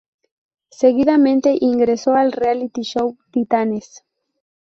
Seguidamente ingresó al reality show "Titanes".